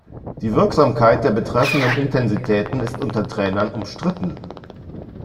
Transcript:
Die Wirksamkeit der betreffenden Intensitäten ist unter Trainern umstritten.